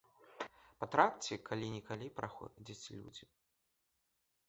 Па тракце калі-нікалі праходзяць людзі.